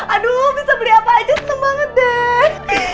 aduh bisa beli apa aja seneng banget den